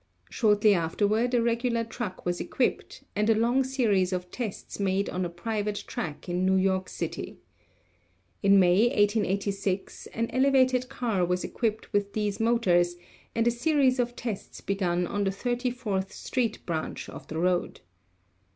Shortly afterward a regular truck was equipped and a long series of tests made on a private track in New York City. In May, 1886, an elevated car was equipped with these motors and a series of tests begun on the Thirty fourth Street branch of the road.